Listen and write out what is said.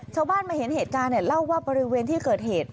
ชาวบ้านมาเห็นเหตุการณ์เนี่ยเล่าว่าบริเวณที่เกิดเหตุ